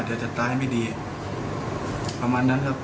เจ๋งสัตว์ตายไม่ดีประมาณนั้นครับ